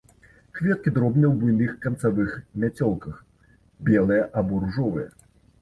Кветкі дробныя ў буйных канцавых мяцёлках, белыя або ружовыя.